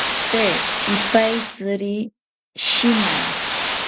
Tee ipaitziri shima